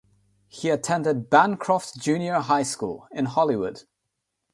He attended Bancroft Junior High School, in Hollywood.